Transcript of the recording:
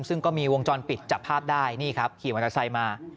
ซึ่งก็มีวงจรปิดจับภาพได้นี่ครับขี่มอเตอร์ไซค์มา